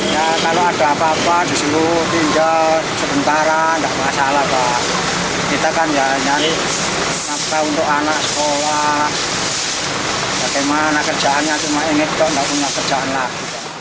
kalau ada apa apa disuruh pindah sebentar tidak masalah kita kan nyari untuk anak sekolah bagaimana kerjaannya cuma ini tidak punya kerjaan lagi